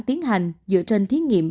tiến hành dựa trên thiết nghiệm